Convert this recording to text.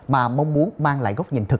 mà mong muốn mang lại góc nhìn thực